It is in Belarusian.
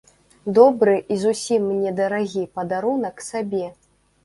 Добры і зусім не дарагі падарунак сабе.